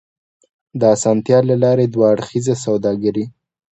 د اسانتيا له لارې دوه اړخیزه سوداګري